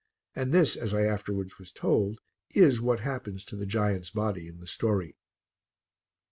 And this, as I afterwards was told, is what happens to the giant's body in the story.